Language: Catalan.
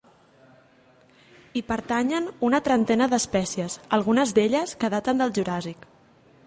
Hi pertanyen una trentena d'espècies, algunes d'elles que daten del Juràssic.